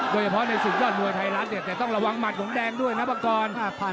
เฉพาะในศึกยอดมวยไทยรัฐเนี่ยแต่ต้องระวังหมัดของแดงด้วยนะปังกร